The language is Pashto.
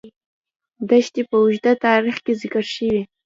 دښتې په اوږده تاریخ کې ذکر شوې.